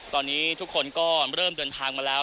ตอนนี้ทุกคนก็เริ่มเดินทางมาแล้ว